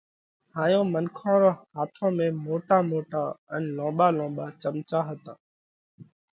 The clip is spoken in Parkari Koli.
هائيون منکون رون هاٿون ۾ موٽا موٽا ان لونٻا لونٻا چمچا هتا